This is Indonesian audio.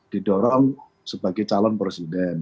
didorong sebagai calon presiden